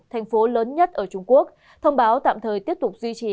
thành phố lớn nhất ở trung quốc thông báo tạm thời tiếp tục duy trì